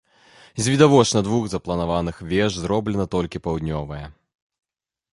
З відавочна двух запланаваных веж зроблена толькі паўднёвая.